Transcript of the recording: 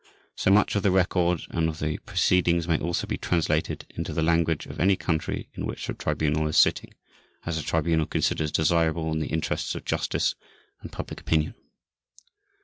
So much of the record and of the proceedings may also be translated into the language of any country in which the Tribunal is sitting, as the Tribunal considers desirable in the interests of justice and public opinion.